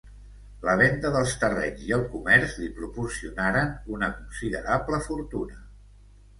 La venda dels terrenys i el comerç li proporcionaren una considerable fortuna.